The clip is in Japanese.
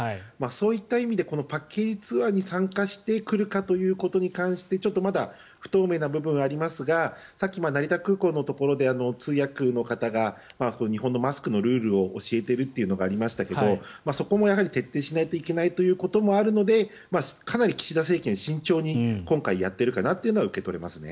そういった意味でこのパッケージツアーに参加してくるかということに関してちょっとまだ不透明な部分はありますがさっき、成田空港のところで通訳の方が日本のマスクのルールを教えているというのがありましたがそこもやはり徹底しないといけないということもあるのでかなり岸田政権、慎重に今回やってるかなという感じがしますね。